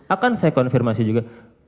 akan saya konfirmasi juga